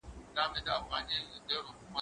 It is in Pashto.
زه اوس بوټونه پاکوم